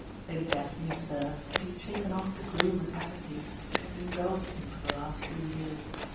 Lady Daphne observed that he had shaken off the gloom and apathy which had engulfed him for the last few years.